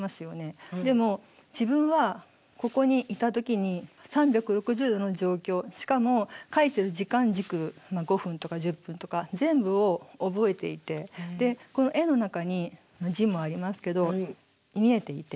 でも自分はここにいた時に３６０度の状況しかも描いてる時間軸の５分とか１０分とか全部を覚えていてで絵の中に字もありますけど見えていて。